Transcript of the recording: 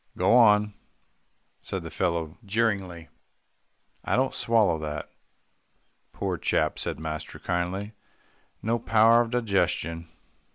"Go on," said the fellow jeeringly, "I don't swallow that." "Poor chap," said master kindly, "no power of digestion.